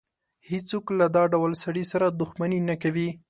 هېڅ څوک له دا ډول سړي سره دښمني نه کوي.